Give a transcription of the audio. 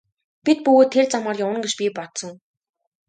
Бид бүгд тэр замаар явна гэж би бодсон.